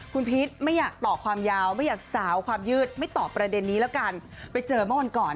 คุณพีชไม่อยากต่อความยาวไม่อยากสาวความยืดไม่ตอบประเด็นนี้แล้วกันไปเจอเมื่อวันก่อน